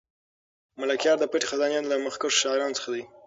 ملکیار د پټې خزانې له مخکښو شاعرانو څخه دی.